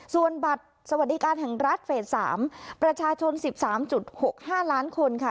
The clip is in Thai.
ส่วนบัตรสวัสดิการแห่งรัฐเฟสสามประชาชนสิบสามจุดหกห้าล้านคนค่ะ